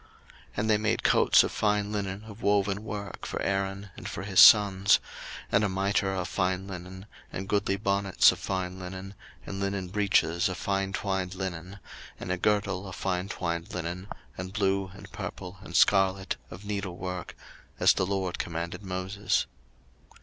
02:039:027 And they made coats of fine linen of woven work for Aaron, and for his sons, 02:039:028 And a mitre of fine linen, and goodly bonnets of fine linen, and linen breeches of fine twined linen, 02:039:029 And a girdle of fine twined linen, and blue, and purple, and scarlet, of needlework; as the LORD commanded Moses.